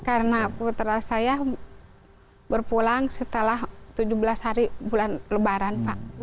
karena putra saya berpulang setelah tujuh belas hari bulan lebaran pak